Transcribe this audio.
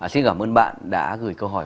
xin cảm ơn bạn đã gửi câu hỏi